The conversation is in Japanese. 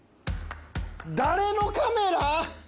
誰のカメラ！？